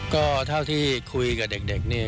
ก็เท่าที่คุยกับเด็กนี่